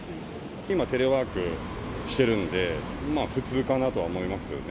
今テレワークしてるんで、まあ普通かなとは思いますよね。